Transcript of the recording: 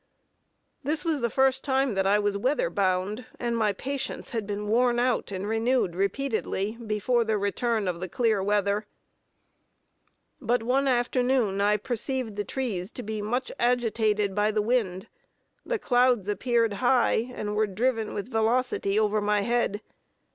This was the first time that I was weather bound, and my patience had been worn out and renewed repeatedly before the return of the clear weather; but one afternoon I perceived the trees to be much agitated by the wind, the clouds appeared high, and were driven with velocity over my head.